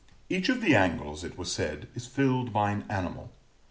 Each of the angles, it was said, is filled by an animal.